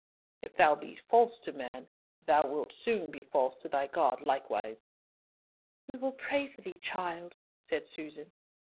"If thou be false to man, thou wilt soon be false to thy God likewise." "We will pray for thee, child," said Susan.